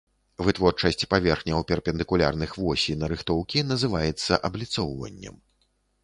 Вытворчасць паверхняў, перпендыкулярных восі нарыхтоўкі, называецца абліцоўваннем.